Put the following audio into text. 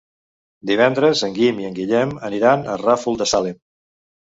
Divendres en Guim i en Guillem aniran al Ràfol de Salem.